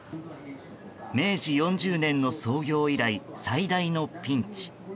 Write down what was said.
明治４０年の創業以来最大のピンチ。